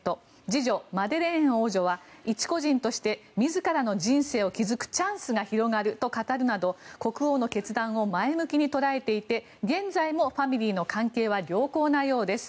次女マデレーン王女は一個人として自らの人生を築くチャンスが広がると語るなど国王の決断を前向きに捉えていて現在も、ファミリーの関係は良好なようです。